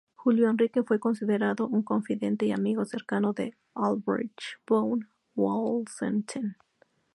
Julio Enrique fue considerado un confidente y amigo cercano de Albrecht von Wallenstein.